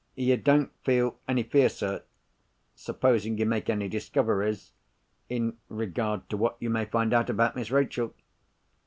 "You don't feel any fear, sir—supposing you make any discoveries—in regard to what you may find out about Miss Rachel?"